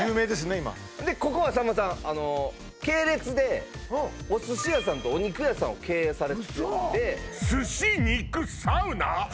今ここはさんまさんあの系列でお寿司屋さんとお肉屋さんを経営されてるんで嘘！？